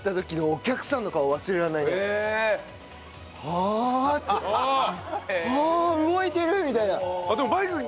「はあ動いてる！」みたいな。